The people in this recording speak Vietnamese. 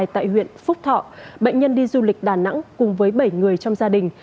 tại huyện phúc thọ bệnh nhân đi du lịch đà nẵng cùng với bảy người trong gia đình